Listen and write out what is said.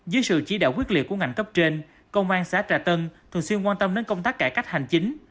dưới sự chỉ đạo quyết liệt của ngành cấp trên công an xã trà tân thường xuyên quan tâm đến công tác cải cách hành chính